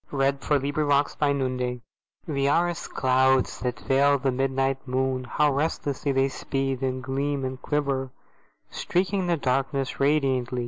Percy Bysshe Shelley Mutability WE are as clouds that veil the midnight moon; How restlessly they speed, and gleam, and quiver, Streaking the darkness rediantly!